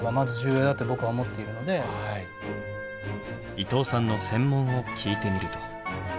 伊藤さんの専門を聞いてみると。